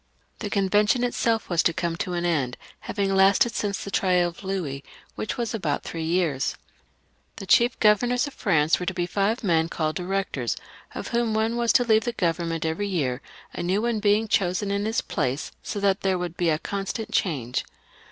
The Convention itself was to come to an end, having lasted since the trial of Louis, which was about three years. The chief governors of France were to be five men called Directors, of whom one was to leave the Government every year, and a new one to be chosen in his place, so that there was to be a constant change.